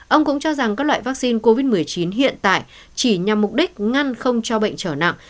ông cũng cho rằng các loại vaccine covid một mươi chín hiện tại chỉ nhằm mục đích ngăn không cho bệnh trở nặng